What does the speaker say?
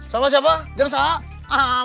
sama siapa jangan salah